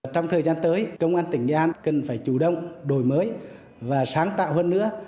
trong thời gian tới công an tỉnh nghệ an cần phải chủ động đổi mới và sáng tạo hơn nữa